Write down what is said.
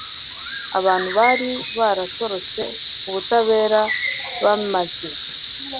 abantu bari baratorotse ubutabera bamaze